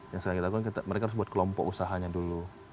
yang sedang kita lakukan mereka harus buat kelompok usahanya dulu